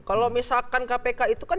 kalau misalkan kpk itu kan